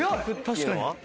確かに。